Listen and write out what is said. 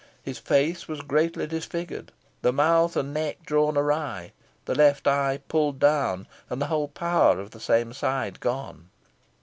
His face was greatly disfigured, the mouth and neck drawn awry, the left eye pulled down, and the whole power of the same side gone.